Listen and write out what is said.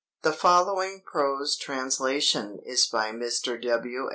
The following prose translation is by Mr. W.